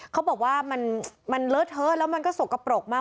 เขาบอกว่ามันเลอะเทอะแล้วมันก็สกปรกมาก